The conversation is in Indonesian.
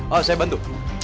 oh saya bantu